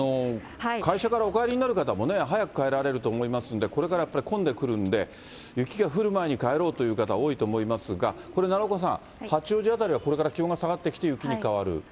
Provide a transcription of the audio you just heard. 会社からお帰りになる方も早く帰られると思いますんで、これからやっぱり混んでくるんで、雪が降る前に帰ろうという方も多いと思いますが、これ、奈良岡さん、八王子辺りはこれから気温が下がってきて、雪に変わる？